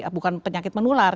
bukan penyakit menular